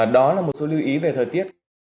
đó là một số lưu ý về thời tiết